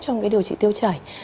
trong cái điều trị tiêu chảy